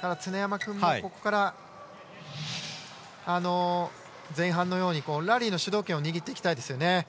常山君もここから前半のようにラリーの主導権を握っていきたいですね。